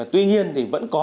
tuy nhiên vẫn có